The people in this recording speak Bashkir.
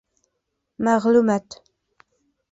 Мәғлүмәт